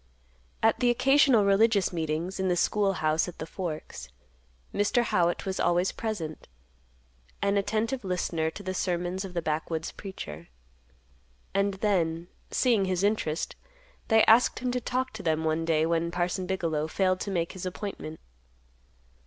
At the occasional religious meetings in the school house at the Forks, Mr. Howitt was always present, an attentive listener to the sermons of the backwoods preacher. And then, seeing his interest, they asked him to talk to them one day when Parson Bigelow failed to make his appointment.